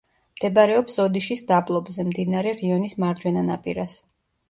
მდებარეობს ოდიშის დაბლობზე, მდინარე რიონის მარჯვენა ნაპირას.